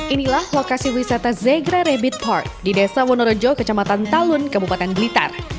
inilah lokasi wisata zegra rabbit park di desa wonorejo kecamatan talun kabupaten blitar